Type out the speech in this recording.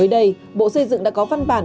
mới đây bộ xây dựng đã có văn bản